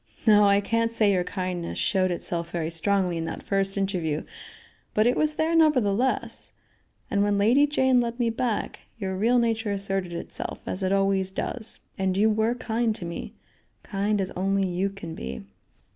"No, I can't say your kindness showed itself very strongly in that first interview, but it was there nevertheless, and when Lady Jane led me back, your real nature asserted itself, as it always does, and you were kind to me; kind as only you can be."